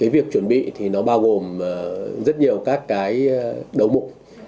việc chuẩn bị bao gồm rất nhiều các đấu mụn